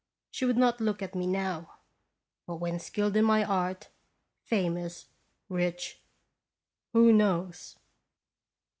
She would not look at me now ; but when skilled in my art, famous, rich who knows?